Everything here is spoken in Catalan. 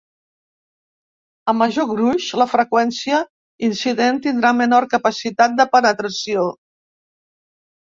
A major gruix, la freqüència incident tindrà menor capacitat de penetració.